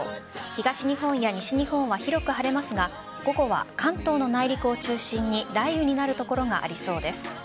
東日本や西日本は広く晴れますが午後は関東の内陸を中心に雷雨になる所がありそうです。